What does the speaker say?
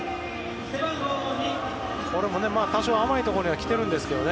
これも多少、甘いところには来てるんですけどね。